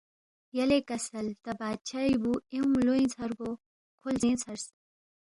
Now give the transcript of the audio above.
یلے کسل تا بادشائی بُو ایونگ لوینگ ژھربو کھو لزینگ ژھرس